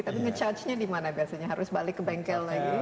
tapi nge charge nya di mana biasanya harus balik ke bengkel lagi